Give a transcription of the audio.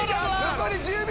残り１０秒！